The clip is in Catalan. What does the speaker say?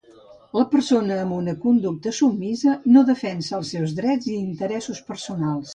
La persona amb una conducta submisa no defensa els seus drets i interessos personals.